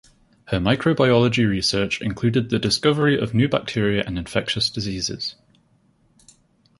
Her microbiology research included the discovery of new bacteria and infectious diseases.